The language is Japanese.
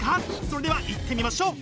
それではいってみましょう！